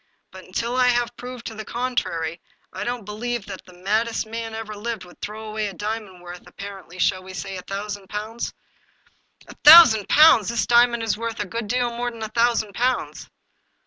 But, until I have proved the contrary, I don't believe that the maddest man that ever lived would throw away a diamond worth, ap parently, shall we say a thousand pounds ?"" A thousand pounds ! This diamond is worth a good deal more than a thousand pounds."